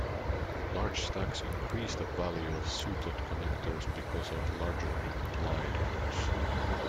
Large stacks increase the value of suited connectors because of larger implied odds.